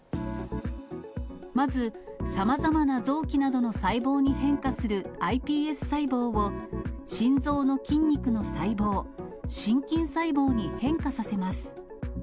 まず、さまざまな臓器などの細胞に変化するｉＰＳ細胞を、心臓の筋肉の細胞、心筋細胞に変化させます。